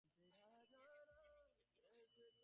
চৌকো একটা খোপের মতো দেখতে বাক্সটা।